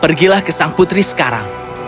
pergilah ke sang putri sekarang